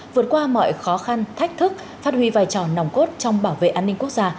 vượt qua mọi khó khăn thách thức phát huy vai trò nòng cốt trong bảo vệ an ninh quốc gia